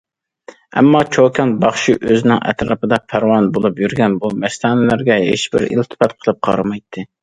ئەمما چوكان باخشى ئۆزىنىڭ ئەتراپىدا پەرۋانە بولۇپ يۈرگەن بۇ مەستانىلەرگە ھېچبىر ئىلتىپات قىلىپ قارىمايتتى.